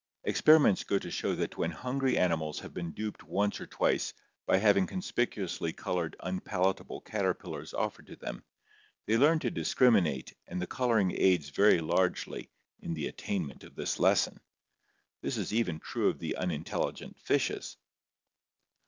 Experiments go to show that when hungry animals have been duped once or twice by having conspicuously colored unpalatable caterpillars offered to them, they learn to discriminate and the coloring aids very largely in the attainment of this lesson. This is even true of the unintelligent fishes.